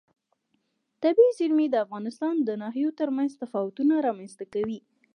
طبیعي زیرمې د افغانستان د ناحیو ترمنځ تفاوتونه رامنځ ته کوي.